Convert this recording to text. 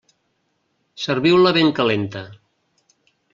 Serviu-la ben calenta.